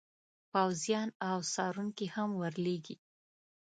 پوځیان او څارونکي هم ور لیږي.